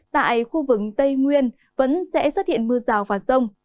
tại khu vực tây nguyên vẫn sẽ xuất hiện mưa rào và rông